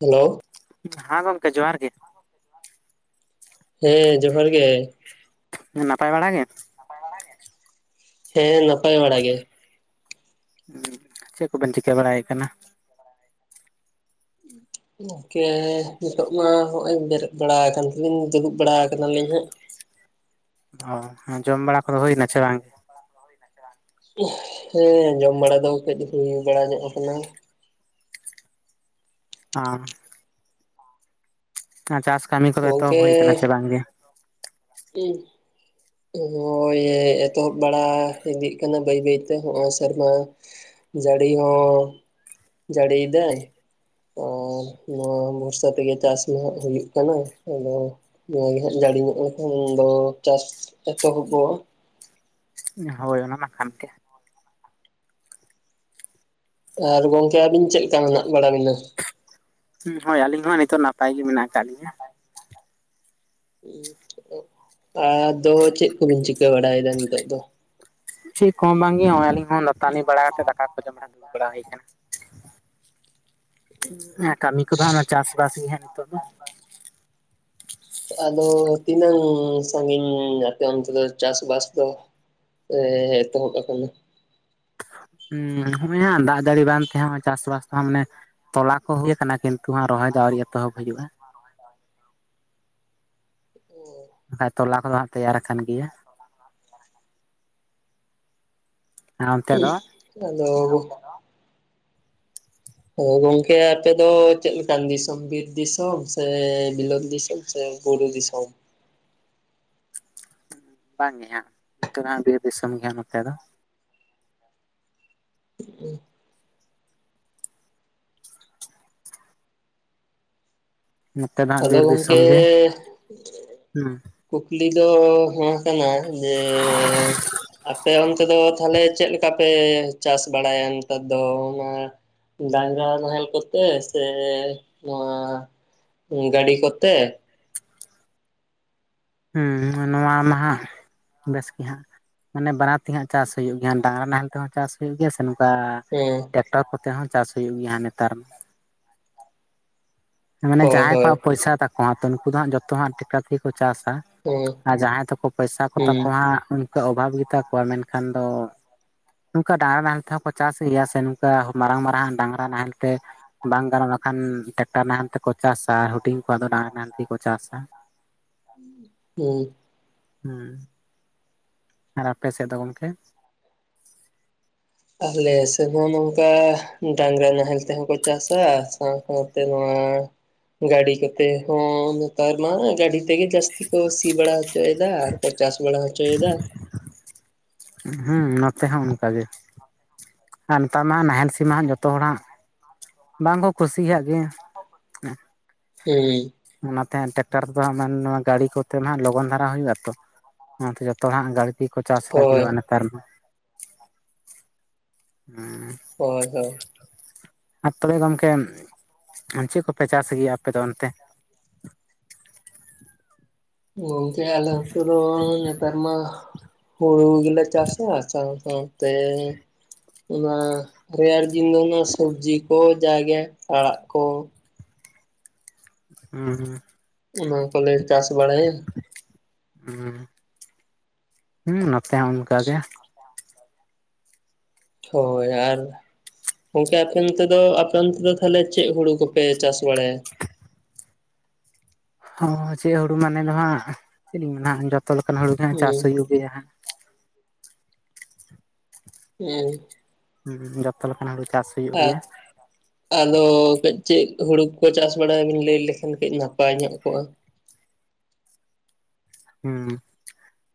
Hello. ᱦᱟᱸ ᱜᱚᱝᱠᱮ ᱡᱚᱦᱟᱨ ᱜᱮ᱾ ᱦᱮᱸ ᱡᱚᱦᱟᱨ ᱜᱮ᱾ ᱱᱟᱯᱟᱭ ᱵᱟᱲᱟ ᱜᱮ? ᱦᱮᱸ ᱱᱟᱯᱟᱭ ᱵᱟᱲᱟ ᱜᱮ᱾ ᱪᱮᱫ ᱠᱚᱵᱮᱱ ᱪᱤᱠᱟᱹ ᱵᱟᱲᱟᱭᱮᱫ ᱠᱟᱱᱟ? ᱜᱚᱝᱠᱮ ᱱᱤᱛᱚᱜ ᱢᱟ ᱦᱚᱜᱼᱚᱭ ᱵᱮᱨᱮᱫ ᱵᱟᱲᱟ ᱟᱠᱟᱞᱤᱧ ᱫᱩᱲᱩᱵ ᱵᱟᱲᱟ ᱠᱟᱱᱟᱞᱤᱧ ᱦᱟᱸᱜᱼᱼ ᱚ ᱡᱚᱢ ᱵᱟᱲᱟ ᱠᱚᱫᱚ ᱦᱩᱭᱱᱟ ᱥᱮ ᱵᱟᱝ? ᱦᱮᱸ ᱡᱚᱢ ᱵᱟᱲᱟ ᱫᱚ ᱠᱟᱹᱡ ᱦᱩᱭ ᱵᱟᱲᱟ ᱧᱚᱜ ᱟᱠᱟᱱᱟ? ᱟᱻ ᱟᱨ ᱪᱟᱥ ᱠᱟᱹᱢᱤ ᱠᱚᱫᱚ ᱮᱛᱚᱦᱚᱵ ᱜᱚᱝᱠᱮ ᱦᱩᱭ ᱠᱟᱱᱟ ᱥᱮ ᱵᱟᱝᱜᱮ? [inaudible] ᱱᱚᱜᱼᱚᱭ ᱮᱛᱚᱦᱚᱵ ᱵᱟᱲᱟ ᱤᱫᱤᱜ ᱠᱟᱱᱟ ᱵᱟᱹᱭ ᱵᱟᱹᱭᱛᱮ ᱱᱚᱜᱼᱚᱭ ᱥᱮᱨᱢᱟᱼᱼ ᱡᱟᱹᱲᱤ ᱦᱚᱸ ᱡᱟᱹᱲᱤᱭ ᱫᱟᱭ᱾ ᱚ ᱱᱚᱣᱟ ᱵᱷᱚᱨᱥᱟ ᱛᱮᱜᱮ ᱪᱟᱥ ᱢᱟ ᱦᱩᱭᱩᱜ ᱠᱟᱱᱟ ᱟᱫᱚᱼᱼ ᱱᱚᱮ ᱦᱟᱸᱜ ᱡᱟᱹᱲᱤ ᱧᱚᱜ ᱞᱮᱱᱠᱷᱟᱱ ᱫᱚ ᱪᱟᱥ ᱮᱛᱚᱦᱚᱵᱚᱜᱼᱟ᱾ ᱦᱳᱭ ᱚᱱᱟ ᱢᱟ ᱠᱟᱱᱛᱮ᱾ ᱟᱨ ᱜᱚᱝᱠᱮ ᱟᱵᱤᱱ ᱪᱮᱫ ᱞᱮᱠᱟ ᱢᱮᱱᱟᱜ ᱵᱟᱲᱟ ᱵᱤᱱᱟ? ᱦᱩᱸ ᱦᱳᱭ ᱟᱹᱞᱤᱧ ᱦᱚᱸ ᱱᱤᱛᱚᱜ ᱱᱟᱯᱟᱭ ᱜᱮ ᱢᱮᱱᱟᱜ ᱟᱠᱟᱫ ᱞᱤᱧᱟ᱾ ᱟᱫᱚ ᱪᱮᱫ ᱠᱚ ᱵᱤᱱ ᱪᱤᱠᱟᱹ ᱵᱟᱲᱟᱭᱮᱫᱟ ᱱᱤᱛᱚᱜ ᱫᱚ? ᱪᱮᱫ ᱠᱚ ᱵᱟᱝ ᱜᱮ ᱱᱚᱜᱼᱚᱭ ᱟᱹᱞᱤᱧ ᱦᱚᱸ ᱞᱟᱛᱟᱱᱤ ᱵᱟᱲᱟ ᱠᱟᱛᱮ ᱫᱟᱠᱟ ᱠᱚ ᱡᱚᱢ ᱵᱟᱲᱟ ᱠᱮᱫᱟᱞᱤᱧ᱾ ᱠᱟᱹᱢᱤ ᱠᱚᱫᱚ ᱦᱟᱸᱜ ᱪᱟᱥᱵᱟᱥ ᱜᱮ ᱦᱟᱜᱼᱼ [unintelligible] ᱟᱫᱚ ᱛᱤᱱᱟᱹᱝ ᱥᱟᱺᱜᱤᱧ ᱟᱯᱮ ᱚᱱᱛᱮ ᱫᱚ ᱪᱟᱥᱵᱟᱥ ᱫᱚ? ᱮᱻᱮ ᱮᱛᱚ ᱦᱚᱵ ᱟᱠᱟᱱᱟ᱾ ᱦᱩ ᱦᱚᱜᱼᱚᱭ ᱦᱟᱸᱜ ᱫᱟᱜ ᱡᱟᱹᱲᱤ ᱵᱟᱝ ᱛᱟᱦᱮᱸ ᱦᱟᱸᱜ ᱪᱟᱥᱵᱟᱥ ᱠᱚ ᱦᱚᱸ ᱢᱟᱱᱮᱼᱼ ᱛᱚᱞᱟ ᱠᱚ ᱦᱩᱭ ᱟᱠᱟᱱᱟ ᱠᱤᱱᱛᱩ ᱨᱚᱦᱚᱭ ᱫᱚ ᱟᱹᱣᱨᱤ ᱮᱛᱚᱦᱚᱵ ᱦᱩᱭᱩᱜᱼᱟ᱾ ᱦᱩᱸ᱾ ᱵᱟᱠᱷᱟᱡ ᱛᱚᱞᱟ ᱠᱚᱫᱚ ᱦᱟᱸᱜ ᱛᱮᱭᱟᱨ ᱟᱠᱟᱱ ᱜᱮᱭᱟ᱾ ᱚᱱᱛᱮ ᱫᱚ? ᱟᱫᱚᱼᱼ ᱚ ᱜᱚᱝᱠᱮ ᱟᱯᱮ ᱫᱚ ᱪᱮᱫ ᱞᱮᱠᱟᱱ ᱫᱤᱥᱚᱢ ᱵᱤᱨ ᱫᱤᱥᱚᱢ ᱥᱮ ᱵᱤᱞᱚᱛ ᱫᱤᱥᱚᱢ? ᱥᱮ ᱵᱩᱨᱩ ᱫᱤᱥᱚᱢ? ᱵᱟᱝᱜᱮ ᱦᱟᱸᱜ ᱱᱚᱛᱮ ᱫᱚ ᱦᱟᱸᱜ ᱵᱤᱨ ᱫᱤᱥᱚᱢ ᱜᱮ ᱦᱟᱸᱜ ᱱᱚᱛᱮ ᱫᱚᱼᱼ [inaudible] ᱱᱚᱛᱮ ᱫᱚ ᱦᱟᱸᱜ ᱟᱫᱚ ᱵᱤᱨ ᱜᱚᱝᱠᱮ ᱫᱤᱥᱚᱢ ᱜᱮ ᱦᱩᱸ᱾ ᱠᱩᱠᱞᱤ ᱫᱚ ᱱᱚᱣᱟ ᱠᱟᱱᱟ ᱡᱮ ᱟᱯᱮ ᱚᱱᱛᱮᱼᱼ ᱛᱮ ᱫᱚ ᱛᱟᱦᱞᱮ ᱪᱮᱫ ᱞᱮᱠᱟ ᱯᱮ ᱪᱟᱥ ᱵᱟᱲᱟᱭᱟ ᱱᱮᱛᱟᱨ ᱫᱚ ᱚᱱᱟᱼᱼ ᱰᱟᱝᱨᱟ ᱱᱟᱦᱮᱞ ᱠᱚᱛᱮ ᱥᱮ ᱱᱚᱣᱟᱼᱼ ᱜᱟᱹᱰᱤ ᱠᱚᱛᱮ? ᱦᱩᱸ ᱱᱚᱣᱟ ᱢᱟᱦᱟᱸᱜ ᱵᱮᱥ ᱜᱮ ᱦᱟᱸᱜ ᱢᱟᱱᱮ ᱵᱟᱱᱟᱨ ᱛᱮ ᱦᱟᱸᱜ ᱪᱟᱥ ᱦᱩᱭᱩᱜ ᱜᱮᱭᱟ ᱰᱟᱝᱨᱟ ᱱᱟᱦᱮᱞ ᱛᱮᱦᱚᱸ ᱪᱟᱥ ᱦᱩᱭᱩᱜ ᱜᱮᱭᱟ ᱥᱮ ᱦᱮᱸ ᱴᱨᱟᱠᱴᱚᱨ ᱠᱚᱛᱮ ᱦᱚᱸ ᱪᱟᱥ ᱦᱩᱭᱩᱜ ᱜᱮᱭᱟ ᱱᱮᱛᱟᱨ ᱢᱟᱱᱮ ᱦᱳᱭ ᱡᱟᱦᱟᱸᱭ ᱦᱳᱭ ᱠᱚᱣᱟᱜ ᱯᱚᱭᱥᱟ ᱛᱟᱠᱚ ᱦᱟᱸᱜ ᱛᱚ ᱩᱱᱠᱩ ᱫᱚ ᱦᱟᱸᱜ ᱡᱚᱛᱚ ᱦᱟᱸᱜ ᱴᱮᱠᱴᱟᱨ ᱛᱮᱜᱮ ᱠᱚ ᱪᱟᱥᱟ ᱦᱩᱸ ᱟᱨ ᱡᱟᱦᱟᱸᱭ ᱛᱟᱠᱚ ᱯᱚᱭᱥᱟ ᱠᱚᱛᱟ ᱦᱩᱸ ᱠᱚ ᱦᱟᱸᱜ ᱩᱱᱠᱩᱣᱟᱜ ᱚᱵᱷᱟᱵᱽ ᱜᱮᱛᱟ ᱠᱚᱣᱟ ᱢᱮᱱᱠᱷᱟᱱ ᱫᱚ ᱱᱚᱝᱠᱟ ᱰᱟᱝᱨᱟ ᱱᱟᱦᱮᱞ ᱛᱮᱦᱚᱸ ᱠᱚ ᱪᱟᱥ ᱜᱮᱭᱟ ᱥᱮ ᱱᱚᱝᱠᱟ ᱢᱟᱨᱟᱝ ᱢᱟᱨᱟᱝ ᱟᱜ ᱰᱟᱝᱨᱟ ᱱᱟᱦᱮᱞ ᱛᱮ ᱵᱟᱝ ᱜᱟᱱᱚᱜ ᱵᱟᱠᱷᱟᱱ ᱴᱮᱠᱴᱟᱨ ᱱᱟᱦᱮᱞ ᱛᱮᱠᱚ ᱪᱟᱥᱟ ᱦᱩᱰᱤᱧ ᱠᱚᱣᱟᱜ ᱫᱚ ᱰᱟᱝᱨᱟ ᱱᱟ ᱛᱮᱜᱮ ᱠᱚ ᱪᱟᱥᱟ ᱾ [unintelligible] ᱦᱩᱸ ᱦᱩᱸ ᱟᱨ ᱟᱯᱮ ᱥᱮᱫ ᱫᱚ ᱜᱚᱝᱠᱮ? ᱟᱞᱮ ᱥᱮᱫ ᱦᱚᱸ ᱱᱚᱝᱠᱟ ᱰᱟᱝᱨᱟ ᱱᱟᱦᱮᱞ ᱛᱮᱦᱚᱸ ᱠᱚ ᱪᱟᱥᱟ ᱥᱟᱶ ᱥᱟᱶᱛᱮ ᱱᱚᱣᱟ ᱜᱟᱹᱰᱤ ᱠᱚᱛᱮ ᱦᱚᱸ ᱱᱮᱛᱟᱨ ᱢᱟ ᱜᱟᱹᱰᱤ ᱛᱮᱜᱮ ᱡᱟᱹᱥᱛᱤ ᱛᱤ ᱠᱚ ᱥᱤ ᱵᱟᱲᱟ ᱦᱚᱪᱚᱭᱮᱫᱟ ᱟᱨ ᱠᱚ ᱪᱟᱥ ᱵᱟᱲᱟ ᱦᱚᱪᱚᱭᱮᱫᱟ ᱾ ᱦᱩᱸ ᱱᱚᱛᱮ ᱦᱚᱸ ᱚᱱᱠᱟ ᱜᱮ ᱾ ᱟᱨ ᱱᱮᱛᱟᱨ ᱢᱟᱦᱟᱸᱜ ᱱᱟᱦᱮᱞ ᱥᱤᱢᱟ ᱦᱟᱸᱜ ᱡᱚᱛᱚ ᱦᱚᱲ ᱦᱟᱸᱜ ᱵᱟᱝᱠᱚ ᱠᱩᱥᱤᱭᱟᱜ ᱜᱮᱭᱟ ᱾ ᱦᱩᱸ ᱚᱱᱟᱛᱮ ᱴᱨᱟᱠᱴᱟᱨ ᱫᱱᱽᱟᱥᱥᱚ ᱦᱟᱸᱜ ᱢᱟᱱ ᱜᱟᱹᱲᱤ ᱠᱚᱛᱮ ᱦᱟᱸᱜ ᱞᱚᱜᱚᱱ ᱫᱷᱟᱨᱟ ᱦᱩᱭᱩᱜ ᱟᱛᱚ ᱚᱱᱟᱛᱮ ᱡᱚᱛᱚ ᱦᱟᱸᱜ ᱜᱟᱹᱲᱠᱤ ᱠᱚᱶᱟ ᱥᱮᱜ ᱦᱳᱭ ᱞᱟᱹᱜᱤᱫᱚᱜ-ᱟ ᱱᱮᱛᱟᱨ ᱢᱟ ᱾ [unintelligible] ᱦᱳᱭ ᱦᱳᱭ ᱟᱨ ᱛᱚᱵᱮ ᱜᱚᱝᱠᱮ ᱪᱮᱫ ᱠᱚᱯᱮ ᱪᱟᱥ ᱜᱮᱭᱟ ᱟᱯᱮ ᱫᱚ ᱚᱱᱛᱮ? ᱚᱸ [unintelligible] ᱱᱮᱛᱟᱨ ᱢᱟ ᱦᱩᱲᱩ ᱜᱮᱞᱮ ᱪᱟᱥᱟ ᱥᱟᱣ ᱥᱟᱣ ᱛᱮ ᱛᱮ ᱚᱱᱟ ᱨᱮᱭᱟᱲ ᱫᱤᱱ ᱫᱚ ᱚᱱᱟ ᱥᱚᱵᱡᱤ ᱠᱚ ᱡᱟ ᱜᱮ ᱟᱲᱟᱜ ᱠᱚ ᱦᱩᱸ ᱦᱩᱸ ᱚᱱᱟ ᱠᱚᱞᱮ ᱪᱟᱥ ᱵᱟᱲᱟᱭᱟ ᱦᱩᱸ, ᱦᱩᱸ ᱱᱚᱛᱮ ᱦᱚᱸ ᱚᱱᱠᱟ ᱜᱮ ᱾ ᱦᱳᱭ ᱟᱨ ᱜᱚᱝᱠᱮ ᱟᱯᱮ ᱚᱱᱛᱮ ᱫᱚ ᱟᱯᱮ ᱚᱱᱛᱮ ᱫᱚ ᱛᱟᱦᱚᱞᱮ ᱪᱮᱫ ᱦᱩᱲᱩ ᱠᱚᱯᱮ ᱪᱟᱥ ᱵᱟᱲᱟᱭᱟ? [unintelligible] ᱦᱚᱸ ᱪᱮᱜ ᱦᱩᱲᱩ ᱢᱟᱱᱮ ᱱᱟᱸᱦᱟᱸᱜ ᱱᱟᱜ ᱡᱚᱛᱚ ᱞᱮᱠᱟᱱᱟᱜ ᱦᱩᱲᱩ ᱜᱮ ᱦᱟᱸᱜ ᱪᱟᱥ ᱦᱩᱸ ᱦᱩᱭᱩᱜ ᱜᱮᱭᱟ ᱦᱟᱸᱜ ᱾ ᱦᱩᱸ ᱦᱮᱸ ᱡᱚᱛᱚ ᱞᱮᱠᱟᱱᱟᱜ ᱦᱩᱲᱩ ᱪᱟᱥ ᱦᱩᱭᱩᱜ [unintelligible] ᱜᱮᱭᱟ ᱟᱫᱚ ᱠᱟᱹᱡ ᱪᱮᱜ ᱦᱩᱲᱩ ᱠᱚᱠᱚ ᱪᱟᱥ ᱵᱟᱲᱟᱭ ᱵᱤᱱ ᱞᱟᱹᱭ ᱞᱮᱠᱷᱟᱱ ᱠᱟᱹᱡ ᱱᱟᱯᱟᱭ ᱧᱚᱜ ᱠᱚᱜ-ᱟ ᱾ ᱦᱮᱸ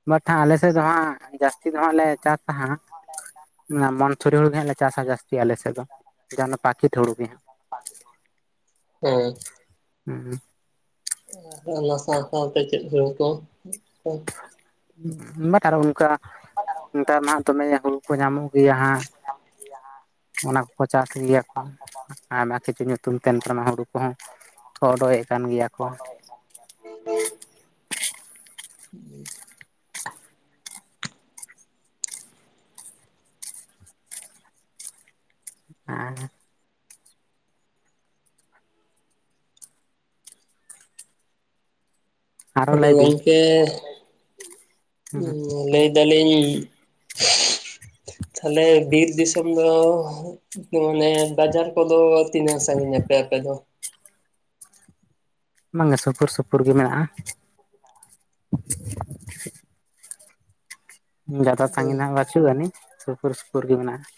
ᱵᱟᱴ ᱦᱟᱸᱜ ᱟᱞᱮ ᱥᱮᱜ ᱫᱚ ᱦᱟᱸᱜ ᱡᱟᱹᱥᱛᱤ ᱫᱚ ᱦᱟᱸᱜ ᱞᱮ ᱪᱟᱥᱟ ᱦᱟᱸᱜ ᱢᱚᱱᱪᱷᱚᱨᱤ ᱦᱩᱲᱩ ᱜᱮ ᱦᱟᱸᱜ ᱞᱮ ᱪᱟᱥ-ᱟ ᱡᱟᱹᱥᱛᱤ ᱟᱞᱮ ᱥᱮᱫ ᱫᱚ ᱡᱟᱦᱟᱸ ᱫᱚ ᱯᱟᱠᱤᱛ ᱦᱩᱲᱩ ᱜᱮ ᱾ [unintelligible] ᱚᱸ ᱦᱩᱸ ᱚᱱᱟ ᱥᱟᱶ ᱥᱟᱶᱛᱮ ᱪᱮᱫ ᱡᱚ ᱠᱚ? ᱵᱟᱴ ᱟᱨ ᱚᱱᱠᱟᱱᱟᱜ ᱱᱮᱛᱟᱨ ᱢᱟ ᱫᱚᱢᱮ ᱦᱩᱲᱩ ᱠᱚ ᱧᱟᱢᱚᱜ ᱡᱟᱦᱟᱸ ᱚᱱᱟ ᱠᱚ ᱠᱚ ᱪᱟᱥ ᱜᱮᱭᱟ ᱠᱚ ᱟᱨ ᱠᱤᱪᱷᱩ ᱧᱩᱛᱩᱢ ᱛᱟᱦᱮᱱ ᱛᱟᱢᱟ, ᱦᱩᱲᱩ ᱠᱚᱦᱚᱸ ᱠᱚ ᱦᱳᱰᱳ ᱭᱮᱜ ᱠᱟᱱ ᱜᱮᱭᱟ, ᱠᱚ ᱦᱳᱰᱳᱭᱮᱜ, [inaudible] ᱦᱮᱸ ᱦᱮᱸ, ᱟᱨᱚ ᱟᱫᱚ ᱞᱟᱹᱭ ᱵᱤᱱ ᱜᱚᱝᱠᱮ ᱩᱸ ᱞᱟᱹᱭ ᱮᱫᱟ ᱞᱤᱧ [inaudible] ᱛᱟᱦᱮᱞᱮ ᱵᱤᱨ ᱫᱤᱥᱚᱢ ᱫᱚᱻᱦ ᱤᱭᱟᱹ ᱢᱟᱱᱮ ᱵᱟᱡᱟᱨ ᱠᱚᱫᱚ ᱛᱤᱱᱟᱹᱜ ᱥᱟᱺᱜᱤᱧ ᱟᱯᱮ ᱟᱯᱮ ᱫᱚ? ᱵᱟᱝ ᱜᱮ ᱥᱩᱯᱩᱨ ᱥᱩᱯᱩᱨ ᱜᱮ ᱢᱮᱱᱟᱜ-ᱟ ᱾ ᱡᱟᱫᱟ ᱦᱩᱸ ᱥᱟᱺᱜᱤᱧ ᱫᱚ ᱱᱷᱟᱸᱜ ᱵᱟᱹᱪᱩᱜ ᱟᱹᱱᱤᱡ ᱥᱩᱯᱩᱨ ᱥᱩᱯᱩᱨ ᱜᱮ ᱢᱮᱱᱟᱜ-ᱟ ᱾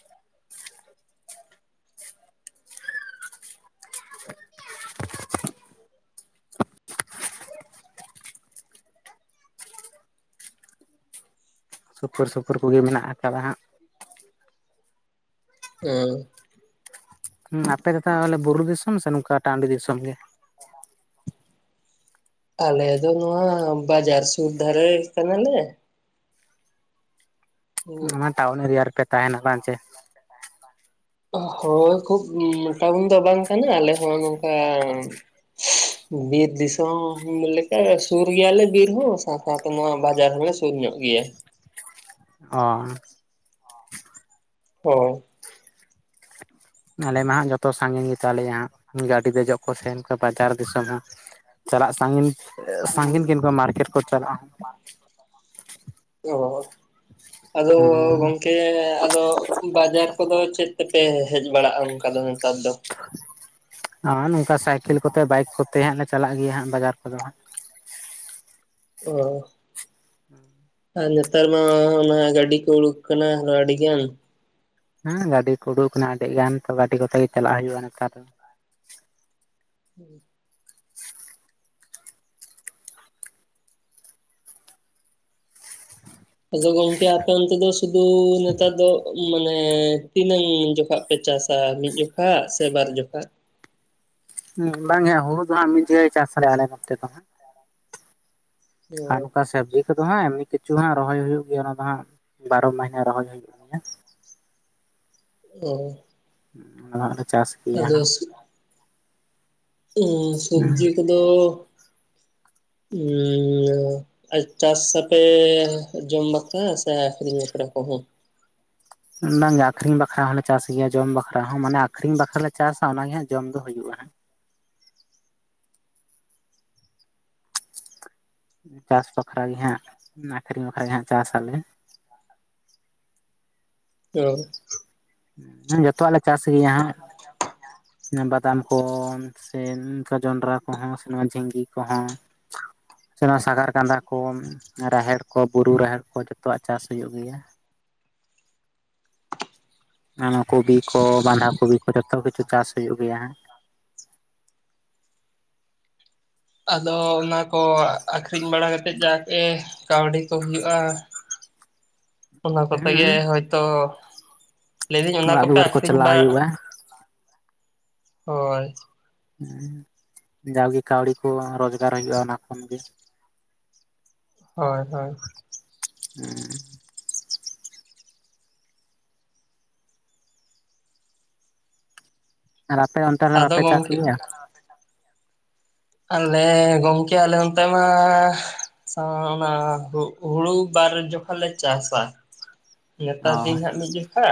ᱥᱩᱯᱩᱨ ᱥᱩᱯᱩᱨ ᱠᱚᱜᱮ ᱢᱮᱱᱟᱜ ᱟᱠᱟᱫᱟ ᱦᱟᱸᱜ᱾ ᱚᱸ ᱦᱩᱸ ᱟᱯᱮ ᱫᱚ ᱛᱟᱦᱚᱞᱮ ᱵᱩᱨᱩ ᱫᱤᱥᱚᱢ ᱥᱮ ᱱᱚᱝᱠᱟ ᱴᱟᱺᱰᱤ ᱫᱤᱥᱚᱢ ᱜᱮ? ᱟᱞᱮ ᱫᱚ ᱱᱚᱣᱟ ᱵᱟᱡᱟᱨ ᱥᱩᱨ ᱫᱷᱟᱨᱮ ᱠᱟᱱᱟᱞᱮ᱾ ᱚᱱᱟ ᱴᱟᱣᱩᱱ ᱮᱨᱤᱭᱟ ᱨᱮᱯᱮ ᱛᱟᱦᱮᱸᱱᱟ ᱵᱟᱝ ᱪᱮ? ᱦᱳᱭ ᱠᱷᱩᱵ ᱩᱸ ᱴᱟᱹᱣᱩᱱ ᱫᱚ ᱵᱟᱝ ᱠᱟᱱᱟ ᱟᱞᱮ ᱦᱚᱸ ᱱᱚᱝᱠᱟ [inaudible] ᱵᱤᱨ ᱫᱤᱥᱚᱢ ᱞᱮᱠᱟᱼᱟ ᱥᱩᱨ ᱜᱮᱭᱟ ᱞᱮ ᱵᱤᱨ ᱦᱚᱸ ᱥᱟᱶ ᱥᱟᱶᱛᱮ ᱛᱮᱢᱟ ᱵᱟᱡᱟᱨ ᱦᱚᱸᱞᱮ ᱥᱩᱨ ᱧᱚᱜ ᱜᱮᱭᱟ᱾ ᱚ ᱦᱚ᱾ ᱦᱳᱭ, ᱟᱞᱮ ᱢᱟ ᱦᱟᱸᱜ ᱡᱚᱛᱚ ᱥᱟᱺᱜᱤᱧ ᱜᱮ ᱛᱟᱞᱮᱭᱟ ᱦᱟᱸᱜ, ᱜᱟᱹᱰᱤ ᱫᱮᱡᱚᱜ ᱠᱚ ᱥᱮᱸ ᱵᱟᱡᱟᱨ ᱫᱤᱥᱚᱢ ᱦᱚᱸ ᱪᱟᱞᱟᱜ ᱥᱟᱺᱜᱤᱱ ᱮᱸ ᱥᱟᱺᱜᱤᱱ ᱠᱤᱱᱠᱩ ᱢᱟᱨᱠᱮᱴ ᱠᱚ ᱪᱟᱞᱟᱜ ᱦᱚᱸ ᱚᱦᱚ, ᱟᱫᱚ ᱦᱩᱸ ᱜᱚᱝᱠᱮ ᱟᱫᱚ ᱵᱟᱡᱟᱨ ᱠᱚᱫᱚ ᱪᱮᱫ ᱛᱮᱯᱮ ᱦᱮᱡ ᱵᱟᱲᱟᱜ-ᱟ ᱚᱸᱠᱟ ᱫᱚ ᱱᱮᱛᱟᱨ ᱫᱚ? ᱟᱸ ᱱᱚᱝᱠᱟ ᱥᱟᱭᱠᱮᱞ ᱠᱚᱛᱮ ᱵᱟᱭᱤᱠ ᱠᱚᱛᱮ ᱦᱟᱸᱜ ᱞᱮ ᱪᱟᱞᱟᱜ ᱜᱮᱭᱟ ᱦᱟᱸᱜ ᱵᱟᱡᱟᱨ ᱠᱚᱫᱚ ᱦᱟᱸᱜ᱾ ᱚᱦᱚ᱾ ᱦᱩᱸ, ᱟᱨ ᱱᱮᱛᱟᱨ ᱢᱟ ᱚᱱᱟ ᱜᱟᱹᱰᱤ ᱠᱚ ᱩᱰᱩᱠ ᱟᱠᱟᱱᱟ ᱟᱫᱚ ᱟᱹᱰᱤ ᱜᱟᱱ, ᱦᱮᱸ ᱜᱟᱹᱰᱤ ᱠᱚ ᱩᱰᱩᱠ ᱟᱠᱟᱱᱟ ᱟᱹᱰᱤ ᱜᱟᱱ ᱛᱚ ᱜᱟᱹᱰᱤ ᱠᱚᱛᱮ ᱜᱮ ᱪᱟᱞᱟᱜ ᱦᱩᱭᱩᱜ-ᱟ ᱱᱮᱛᱟᱨ ᱫᱚ᱾ ᱦᱩᱸ, [inaudible] ᱟᱫᱚ ᱜᱚᱝᱠᱮ ᱟᱯᱮ ᱚᱱᱛᱮ ᱫᱚ ᱥᱩᱫᱩ ᱱᱮᱛᱟᱨ ᱫᱚᱜ ᱢᱟᱱᱮ ᱛᱤᱱᱟᱹᱝ ᱡᱚᱠᱟᱜ ᱯᱮ ᱪᱟᱥᱼᱟ, ᱢᱤᱫ ᱡᱚᱠᱷᱟᱜ ᱥᱮ ᱵᱟᱨ ᱡᱚᱠᱷᱟᱜ? ᱦᱮᱸ ᱵᱟᱝ ᱜᱮ ᱦᱟᱸᱜ ᱦᱩᱲᱩ ᱫᱚ ᱦᱟᱸᱜ ᱢᱤᱫ ᱡᱮᱠᱷᱟ ᱜᱮ ᱪᱟᱥ ᱟᱞᱮ, ᱟᱞᱮ ᱱᱚᱱᱛᱮ ᱫᱚ ᱦᱟᱸᱜ᱾ ᱚ ᱟᱨ ᱱᱚᱠᱟ ᱥᱟᱵᱽᱡᱤ ᱠᱚᱫᱚ ᱦᱟᱸᱜ ᱮᱢᱱᱤ ᱠᱤᱪᱷᱩ ᱦᱟᱸᱜ ᱨᱚᱦᱚᱭ ᱦᱩᱭᱩᱜ ᱜᱮᱭᱟ ᱚᱱᱟ ᱫᱚ ᱦᱟᱸᱜ ᱵᱟᱨᱚ ᱢᱟᱹᱦᱤᱱᱟᱹ ᱨᱚᱦᱚᱭ ᱦᱩᱭᱩᱜ ᱜᱮᱭᱟ᱾ ᱚ, ᱦᱩᱸ ᱚᱱᱟ ᱫᱚ ᱦᱟᱸᱜ ᱚᱱᱟ ᱪᱟᱥ ᱜᱮᱭᱟ ᱟᱫᱚ ᱦᱟᱸᱜ ᱥ- ᱩᱸ ᱦᱩᱸ ᱥᱚᱵᱽᱡᱤ ᱠᱚᱫᱚ, ᱩᱸᱻᱟᱹ ᱟᱪ ᱪᱟᱥ ᱟᱛᱮ ᱡᱚᱢ ᱵᱟᱠᱷᱨᱟ ᱥᱮ ᱟᱹᱠᱷᱨᱤᱧ ᱵᱟᱠᱷᱨᱟ ᱠᱚᱦᱚᱸ? ᱵᱟᱝ ᱜᱮ ᱟᱹᱠᱷᱨᱤᱧ ᱵᱟᱠᱷᱨᱟ ᱦᱚᱸᱞᱮ ᱪᱟᱥ ᱜᱮᱭᱟ ᱡᱚᱢ ᱵᱟᱠᱷᱨᱟ ᱦᱚᱸ ᱢᱟᱱᱮ ᱟᱹᱠᱷᱨᱤᱧ ᱵᱟᱠᱷᱨᱟ ᱞᱮ ᱪᱟᱥᱼᱟ ᱚᱱᱟᱜᱮ ᱦᱟᱸᱜ ᱡᱚᱢ ᱫᱚ ᱦᱩᱭᱩᱜ-ᱟ ᱦᱟᱸᱜ᱾ ᱩᱸ ᱪᱟᱥ ᱵᱟᱠᱷᱨᱟ ᱜᱮ ᱦᱟᱸᱜ ᱚᱱᱟ ᱟᱹᱠᱷᱨᱤᱧ ᱵᱟᱠᱷᱨᱟ ᱜᱮ ᱦᱟᱸᱜ ᱪᱟᱥ ᱟᱞᱮ, ᱚ, ᱦᱩᱸ ᱡᱚᱛᱚᱣᱟᱜ ᱞᱮ ᱪᱟᱥ ᱜᱮᱭᱟ ᱦᱟᱸᱜ, ᱚᱱᱟ ᱵᱟᱫᱟᱢ ᱠᱚᱻᱢ᱾ ᱥᱮᱱ ᱚᱱᱠᱟ ᱡᱚᱱᱰᱨᱟ ᱠᱚᱦᱚᱸ ᱥᱮ ᱱᱚᱣᱟ ᱡᱷᱤᱸᱜᱤ ᱠᱚᱦᱚᱸ ᱥᱟᱜᱟᱲ ᱠᱟᱸᱫᱲᱟ ᱠᱩ ᱨᱟᱦᱮᱲ ᱠᱚ ᱵᱩᱨᱩ ᱨᱟᱦᱮᱲ ᱠᱚ ᱡᱚᱛᱚᱣᱟᱜ ᱪᱟᱥ ᱦᱩᱭᱩᱜ ᱜᱮᱭᱟ ᱚᱱᱟ ᱠᱚᱵᱤ ᱠᱚ ᱵᱟᱸᱫᱷᱟ ᱠᱚᱵᱤ ᱠᱚ ᱡᱚᱛᱚ ᱠᱤᱪᱷᱩ ᱪᱟᱥ ᱦᱩᱭᱩᱜ ᱜᱮᱭᱟ ᱦᱟᱸᱜ᱾ ᱟᱫᱚ ᱚᱱᱟ ᱠᱚ ᱟᱹᱠᱷᱨᱤᱧ ᱵᱟᱲᱟ ᱠᱟᱛᱮᱫ ᱡᱟᱜᱮ ᱠᱟᱹᱣᱰᱤ ᱠᱚ ᱦᱩᱭᱩᱜ-ᱟ᱾ ᱚᱱᱟ ᱠᱚᱛᱮ ᱜᱮ ᱦᱩᱸ ᱦᱳᱭᱛᱚ ᱞᱟᱹᱭ ᱫᱟᱹᱧ ᱚᱱᱟ ᱚᱲᱟᱜ ᱠᱚᱯᱮ ᱫᱩᱣᱟᱹᱨ ᱠᱚ ᱟᱹᱠᱷᱨᱤᱧ ᱵᱟ ᱪᱟᱞᱟᱣ ᱦᱩᱭᱩᱜᱼᱟ ᱦᱳᱭ ᱦᱮᱸ ᱡᱟᱣᱟᱜᱮ ᱠᱟᱹᱣᱰᱤ ᱠᱚ ᱨᱚᱡᱽᱜᱟᱨ ᱦᱩᱭᱩᱜ-ᱟ᱾ ᱚᱱᱟ ᱠᱷᱚᱱᱜᱮ [inaudible] ᱦᱳᱭ ᱦᱳᱭ᱾ [unintelligible] ᱟᱨ ᱟᱯᱮ ᱚᱱᱛᱮ ᱞᱮ ᱟᱫᱚ ᱵᱟᱯᱮ ᱪᱟᱥ ᱜᱚᱢᱠᱮ ᱜᱮᱭᱟ [inaudible] ᱟᱞᱮ ᱜᱚᱢᱠᱮ ᱟᱞᱮ ᱚᱱᱛᱮ ᱢᱟ ᱚᱱᱟ ᱦᱩᱲᱩ ᱵᱟᱨ ᱡᱚᱠᱷᱚᱱ ᱞᱮ ᱪᱟᱥᱟ᱾ ᱚ ᱱᱮᱛᱟᱨ ᱫᱤᱱ ᱦᱟᱸᱜ ᱢᱤᱫ ᱡᱚᱠᱷᱟ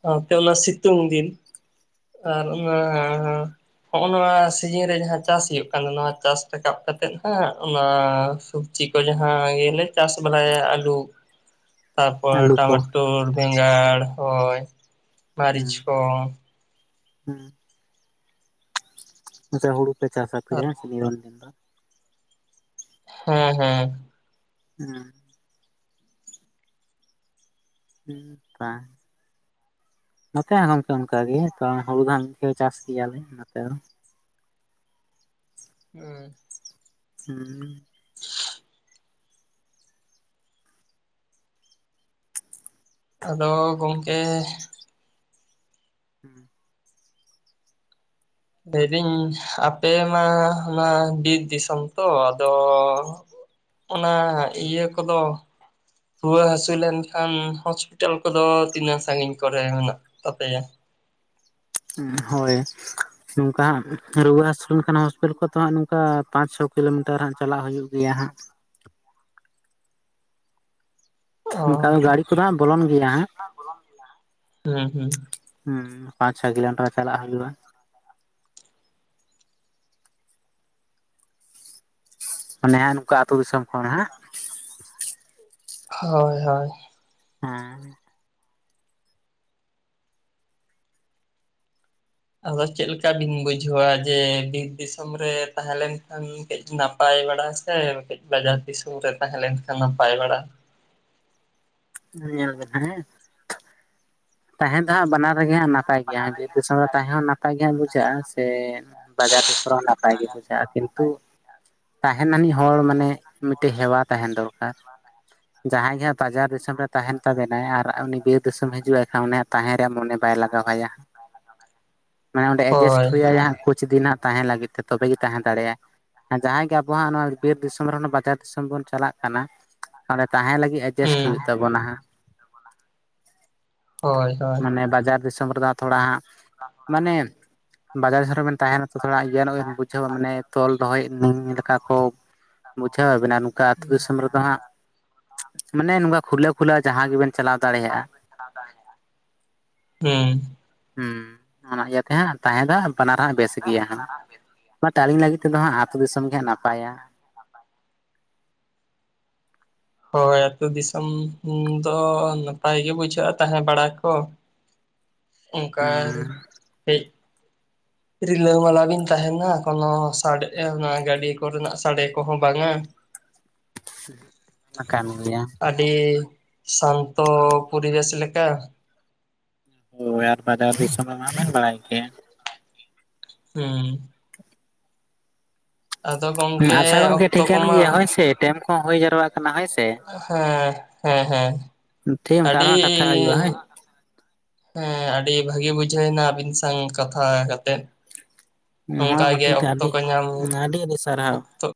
ᱥᱟᱶᱛᱮ ᱚᱱᱛᱮ ᱚᱱᱟ ᱥᱤᱛᱩᱝ ᱫᱤᱱ ᱟᱨ ᱚᱱᱟᱻᱻ ᱦᱚᱜᱚᱭ ᱱᱚᱣᱟ ᱥᱤᱡᱤᱱ ᱨᱮ ᱡᱟᱦᱟᱸ ᱪᱟᱥ ᱦᱩᱭᱩᱜ ᱠᱟᱱ᱾ ᱱᱚᱣᱟ ᱪᱟᱥ ᱨᱟᱠᱟᱵ ᱠᱟᱛᱮᱜ ᱦᱟᱜ ᱚᱱᱟ ᱥᱚᱵᱡᱤ ᱠᱚ ᱡᱟᱦᱟᱸ ᱞᱮ ᱪᱟᱥ ᱵᱟᱞᱟ ᱟᱞᱩ ᱟᱹᱞᱩ ᱠᱚ ᱴᱟᱢᱟᱴᱳ ᱵᱮᱸᱜᱟᱲ ᱦᱳᱭ ᱢᱟᱹᱨᱤᱪ ᱦᱩᱸ ᱠᱚ ᱦᱩᱸ ᱦᱩᱲᱩ ᱯᱮ ᱪᱟᱥ ᱟᱯᱮ ᱟᱨ ᱥᱮ ᱱᱤᱨᱚᱱ ᱫᱤᱱ ᱫᱚ᱾ ᱦᱩᱸ ᱦᱩᱸ ᱦᱩᱸ [unintelligible] ᱱᱚᱛᱮ ᱜᱚᱢᱠᱮ ᱚᱱᱠᱟᱜᱮ ᱛᱚ ᱦᱩᱲᱩ ᱫᱚ ᱦᱟᱜᱹ ᱪᱟᱥ ᱜᱮᱭᱟᱞᱮ ᱱᱚᱛᱮ ᱫᱚ᱾ ᱦᱩᱸ ᱦᱩᱸ ᱟᱫᱚ ᱜᱚᱝᱠᱮ᱾ ᱦᱩᱸ᱾ ᱞᱟᱹᱭᱫᱟᱹᱧ ᱟᱯᱮ ᱢᱟ ᱚᱱᱟ ᱵᱤᱨ ᱫᱤᱥᱚᱢ ᱛᱚ ᱟᱫᱚ ᱚᱱᱟ ᱤᱭᱟᱹ ᱠᱚᱫᱚ ᱨᱩᱣᱟᱹ ᱦᱟᱹᱥᱩ ᱞᱮᱱ ᱠᱷᱟᱱ ᱦᱚᱥᱯᱤᱴᱟᱞ ᱠᱚᱫᱚ ᱛᱤᱱᱟᱹᱜ ᱥᱟᱺᱜᱤᱧ ᱠᱚᱨᱮ ᱢᱮᱱᱟᱜ ᱛᱟᱯᱮᱭᱟ? ᱩᱸ ᱦᱳᱭ ᱱᱚᱝᱠᱟ ᱦᱟᱸᱜ ᱨᱩᱣᱟᱹ ᱦᱟᱹᱥᱩ ᱞᱮᱱᱠᱷᱟᱱ ᱦᱚᱥᱯᱤᱴᱟᱞ ᱠᱚᱛᱚ ᱦᱟᱸᱜ ᱱᱚᱝᱠᱟ ᱯᱟᱸᱪ ᱪᱷᱚ ᱠᱤᱞᱳᱢᱤᱴᱟᱨ ᱦᱟᱸᱜ ᱪᱟᱞᱟᱜ ᱦᱩᱭᱩᱜ ᱜᱮᱭᱟ ᱦᱟᱸᱜ ᱱᱠᱟ ᱚ ᱫᱚ ᱜᱟᱹᱰᱤ ᱠᱚᱫᱚ ᱦᱟᱸᱜ ᱵᱚᱞᱚᱱ ᱜᱮᱭᱟ ᱦᱟᱸᱜ᱾ ᱦᱩᱸ ᱦᱩᱸ ᱦᱩᱸ ᱯᱟᱸᱪ ᱪᱷᱚ [unintelligible] ᱪᱟᱞᱟᱜ ᱦᱩᱭᱩᱜᱼᱟ ᱚᱱᱮ ᱦᱚᱱᱸ ᱱᱚᱝᱠᱟ ᱟᱛᱩ ᱫᱤᱥᱚᱢ ᱠᱷᱚᱱ ᱦᱟᱸᱜ᱾ ᱦᱳᱭ ᱦᱳᱭ᱾ ᱦᱮᱸ ᱟᱫᱚ ᱪᱮᱫᱠᱟ ᱵᱤᱱ ᱵᱩᱡᱷᱟᱹᱣᱟ? ᱡᱮ ᱵᱤᱨ ᱫᱤᱥᱚᱢ ᱨᱮ ᱛᱟᱦᱮᱸ ᱞᱮᱱᱠᱷᱟᱱ ᱠᱟᱹᱡ ᱱᱟᱯᱟᱭ ᱵᱟᱲᱟ ᱥᱮ ᱠᱟᱹᱡ ᱵᱟᱡᱟᱨ ᱫᱤᱥᱚᱢ ᱨᱮ ᱛᱟᱦᱮᱸ ᱞᱮᱱ ᱠᱷᱟᱱ ᱱᱟᱯᱟᱭ ᱵᱟᱲᱟ᱾ [unintelligible] ᱛᱟᱦᱮᱸ ᱫᱚ ᱦᱟᱸᱜ ᱵᱟᱱᱟᱨᱜᱮ ᱦᱟᱸᱜ ᱱᱟᱯᱟᱭ ᱜᱮᱭᱟ᱾ ᱵᱤᱨ ᱫᱤᱥᱚᱢ ᱨᱮ ᱛᱟᱦᱮᱸ ᱦᱚᱸ ᱱᱟᱯᱟᱭ ᱜᱮ ᱦᱟᱸᱜ ᱵᱩᱡᱷᱟᱹᱜᱼᱟ ᱥᱮ ᱵᱟᱡᱟᱨ ᱫᱤᱥᱚᱢ ᱨᱮᱦᱚᱸ ᱱᱟᱯᱟᱭ ᱜᱮ ᱵᱩᱡᱷᱟᱹᱜᱼᱟ ᱠᱤᱱᱛᱩ ᱛᱟᱦᱮᱱ ᱟᱹᱱᱤᱡ ᱦᱚᱲ ᱢᱟᱱᱮ ᱢᱤᱫᱴᱮᱡ ᱦᱮᱣᱟ ᱛᱟᱦᱮᱱ ᱫᱚᱨᱠᱟᱨ ᱡᱟᱦᱟᱸᱭ ᱡᱟ ᱵᱟᱡᱟᱨ ᱫᱤᱥᱚᱢ ᱨᱮ ᱛᱟᱦᱮᱱ ᱛᱟᱵᱮᱱᱟᱭ ᱟᱨ ᱩᱱᱤ ᱵᱤᱨ ᱫᱤᱥᱚᱢ ᱦᱤᱡᱩᱜ ᱟᱭ᱾ ᱠᱷᱟᱱ ᱩᱱᱤᱭ ᱛᱟᱦᱮᱱ ᱨᱮᱭᱟᱜ ᱢᱚᱱᱮ ᱵᱟᱭ ᱞᱟᱜᱟᱣᱟ ᱢᱟᱱᱮ ᱚᱸᱰᱮ ᱮᱰᱡᱟᱥᱴ ᱦᱳᱭ ᱦᱩᱭ ᱟᱭᱟ ᱠᱩᱪ ᱫᱤᱱ ᱛᱟᱦᱮᱸ ᱞᱟᱹᱜᱤᱫ᱾ ᱛᱚᱵᱮ ᱜᱮ ᱛᱟᱦᱮᱸ ᱫᱟᱲᱮᱭᱟᱜᱼᱟ᱾ ᱡᱟᱦᱟᱸᱭ ᱜᱮ ᱟᱵᱚᱣᱟᱜ ᱱᱚᱣᱟ ᱵᱤᱨ ᱫᱤᱥᱚᱢ ᱨᱮᱦᱚᱸ ᱵᱟᱡᱟᱨ ᱫᱤᱥᱚᱢ ᱵᱚᱱ ᱪᱟᱞᱟᱜ ᱠᱟᱱᱟ ᱚᱸᱰᱮ ᱛᱟᱦᱮᱸ ᱞᱟᱹᱜᱤᱫ᱾ ᱮᱰᱡᱟᱥᱴ ᱦᱩᱸ ᱦᱩᱭᱩᱜ ᱛᱟᱵᱚᱱᱟ ᱦᱟᱸᱜ᱾ ᱦᱳᱭ ᱦᱳᱭ ᱢᱟᱱᱮ ᱵᱟᱡᱟᱨ ᱫᱤᱥᱚᱢ ᱨᱮᱫᱚ ᱛᱷᱚᱲᱟ ᱦᱟᱸᱜ ᱢᱟᱱᱮ ᱵᱟᱡᱟᱨ ᱫᱤᱥᱚᱢ ᱨᱮᱵᱮᱱ ᱛᱟᱦᱮ᱾ ᱛᱷᱚᱲᱟ ᱟᱱᱚᱜ ᱵᱮ ᱵᱩᱡᱷᱟᱹᱣᱟ ᱢᱟᱱᱮ ᱛᱚᱞ ᱫᱚᱦᱚᱭ ᱞᱮᱠᱟ ᱠᱚ ᱵᱩᱡᱷᱟᱹᱣᱟ ᱵᱤᱱ᱾ ᱱᱚᱝᱠᱟ ᱟᱹᱛᱳ ᱫᱤᱥᱚᱢ ᱨᱮᱫᱚ ᱦᱟᱸᱜ ᱢᱟᱱᱮ ᱱᱚᱝᱠᱟ ᱠᱷᱩᱞᱟᱹᱣ ᱠᱷᱩᱞᱟᱹᱣ ᱡᱟᱦᱟᱸ ᱜᱮᱵᱮᱱ ᱪᱟᱞᱟᱣ ᱫᱟᱲᱮᱭᱟᱜᱼᱟ᱾ ᱦᱩᱸ ᱦᱮᱸ ᱚᱱᱟ ᱤᱭᱟᱹᱛᱮ ᱦᱟᱸᱜ ᱛᱟᱦᱮᱸ ᱫᱚ ᱟᱯᱱᱟᱨ ᱦᱟᱸᱜ ᱵᱮᱥ ᱜᱮᱭᱟ ᱦᱟᱸᱜ᱾ ᱵᱟᱴ ᱟᱹᱞᱤᱧ ᱞᱟᱹᱜᱤᱫ ᱛᱮᱫᱚ ᱦᱟᱸᱜ ᱟᱹᱛᱩ ᱫᱤᱥᱚᱢ ᱜᱮ ᱦᱟᱸᱜ ᱱᱟᱯᱟᱭᱟ᱾ ᱦᱳᱭ ᱟᱛᱩ ᱫᱤᱥᱚᱢ ᱫᱚ ᱱᱟᱯᱟᱭ ᱜᱮ ᱵᱩᱡᱷᱟᱹᱜᱼᱟ ᱛᱟᱦᱮᱸ ᱵᱟᱲᱟ ᱠᱚ᱾ ᱚᱱᱠᱟ ᱦᱩᱸ ᱦᱮᱡ ᱨᱤᱞᱟᱹᱢᱟᱞᱟ ᱵᱤᱱ ᱛᱟᱦᱮᱱᱟ ᱠᱳᱱᱚ ᱥᱟᱰᱮ ᱚᱱᱟ ᱜᱟᱹᱰᱤ ᱠᱚᱨᱮᱱᱟᱜ ᱥᱟᱰᱮ ᱠᱚᱦᱚᱸ ᱵᱟᱝᱼᱟ᱾ [unintelligible] ᱠᱟᱱ ᱜᱮᱭᱟ ᱟᱹᱰᱤ ᱥᱟᱱᱛᱚ ᱯᱚᱨᱤᱵᱮᱥ ᱞᱮᱠᱷᱟ᱾ ᱦᱳᱭ ᱟᱨ ᱵᱟᱡᱟᱨ ᱫᱤᱥᱚᱢ ᱦᱟᱜ ᱵᱟᱲᱟᱭ ᱜᱮᱭᱟ᱾ ᱦᱩᱸ ᱟᱫᱚ ᱜᱚᱝᱠᱮ ᱟᱪᱪᱷᱟ ᱜᱚᱝᱠᱮ ᱚᱠᱛᱚ ᱴᱷᱤᱠᱟᱹᱱ ᱠᱚᱢᱟ ᱜᱮᱭᱟ ᱦᱳᱭ ᱥᱮ ᱴᱟᱭᱤᱢ ᱠᱚᱦᱚᱸ ᱦᱩᱭ ᱡᱟᱣᱨᱟᱜ ᱠᱟᱱᱟ ᱦᱳᱭ ᱥᱮ᱾ ᱦᱮᱸ ᱦᱮᱸ ᱦᱮᱸ ᱴᱷᱤᱠ ᱚᱱᱠᱟ ᱟᱹᱰᱤ᱾ ᱟᱨᱦᱚᱸ ᱠᱟᱛᱷᱟ ᱦᱩᱭᱩᱜᱼᱟ ᱦᱳᱭ ᱦᱮᱸ ᱟᱹᱰᱤ ᱵᱷᱟᱜᱤ ᱵᱩᱡᱷᱟᱹᱣᱱᱟ ᱟᱹᱵᱤᱱ ᱥᱟᱶ ᱠᱟᱛᱷᱟ ᱠᱟᱛᱮᱜ᱾ ᱦᱚᱸ ᱱᱚᱝᱠᱟᱜᱮ ᱴᱷᱤᱠ ᱜᱮᱭᱟ, ᱚᱠᱛᱚ ᱟᱹᱰᱤ ᱠᱚ ᱧᱟᱢ ᱟᱹᱰᱤ ᱟᱹᱰᱤ ᱥᱟᱨᱦᱟᱣ ᱚᱛᱚᱼᱼ